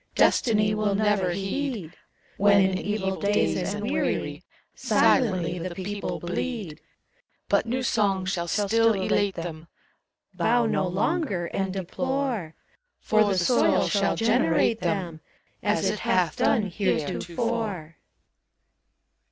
Destiny will never heed; When in evil days and weary, Silently the people bleed. But new songs shall still elate them : Bow no longer and deplore! For the soil shall generate them, As it hath done heretofore.